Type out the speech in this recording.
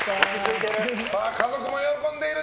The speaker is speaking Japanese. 家族も喜んでいる！